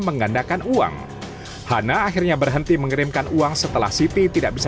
menggandakan uang hana akhirnya berhenti mengerimkan uang setelah siti tidak bisa